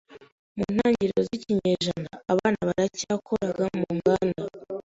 Mu ntangiriro z'ikinyejana, abana baracyakoraga mu nganda.